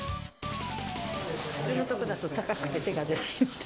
普通のところだと高くて手が出ないので。